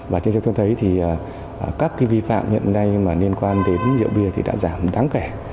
và trên trường thông thấy thì các cái vi phạm hiện nay mà liên quan đến diệu biên thì đã giảm đáng kẻ